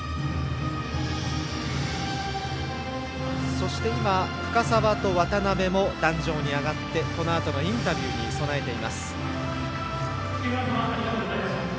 そして今、深沢と渡部も壇上に上がってこのあとのインタビューに備えています。